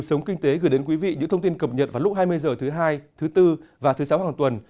sống kinh tế gửi đến quý vị những thông tin cập nhật vào lúc hai mươi h thứ hai thứ bốn và thứ sáu hàng tuần